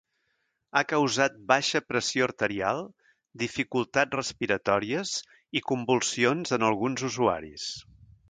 Ha causat baixa pressió arterial, dificultats respiratòries i convulsions en alguns usuaris.